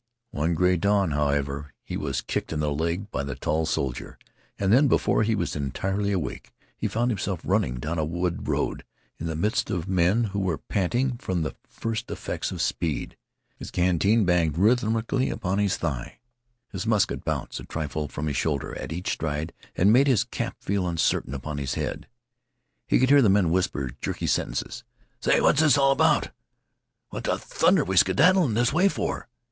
One gray dawn, however, he was kicked in the leg by the tall soldier, and then, before he was entirely awake, he found himself running down a wood road in the midst of men who were panting from the first effects of speed. His canteen banged rhythmically upon his thigh, and his haversack bobbed softly. His musket bounced a trifle from his shoulder at each stride and made his cap feel uncertain upon his head. He could hear the men whisper jerky sentences: "Say what's all this about?" "What th' thunder we skedaddlin' this way fer?"